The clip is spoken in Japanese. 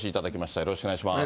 よろしくお願いします。